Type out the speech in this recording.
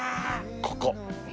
ここ。